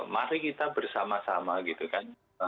mari kita bersama sama gitu kan